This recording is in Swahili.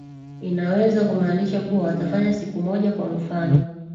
inaweza kumaanisha kuwa watafanya siku moja kwa mfano